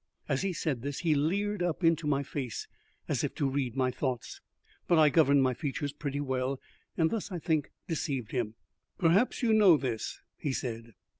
As he said this, he leered up into my face, as if to read my thoughts; but I governed my features pretty well, and thus, I think, deceived him. "Perhaps you know this?" he said.